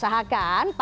saat akan menyentuh lift